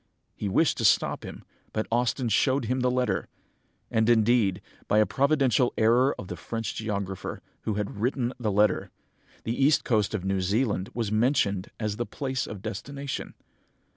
He wished to stop him, but Austin showed him the letter!... And indeed, by a providential error of the French geographer, who had written the letter, the east coast of New Zealand was mentioned as the place of destination.